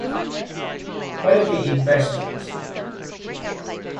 Why don’t you eat vegetables?